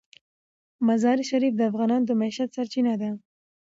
مزارشریف د افغانانو د معیشت سرچینه ده.